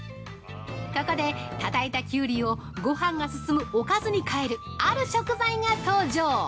◆ここで、たたいたきゅうりをごはんが進むおかずに変えるある食材が登場！